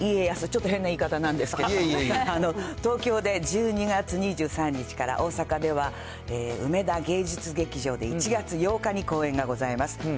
ちょっと変な言い方なんですけど、東京で１２月２３日から、大阪では梅田芸術劇場で１月８日に公演がございます。